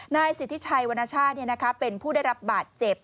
นายสิทธิชัยวรรณชาติเป็นผู้ได้รับบาดเจ็บ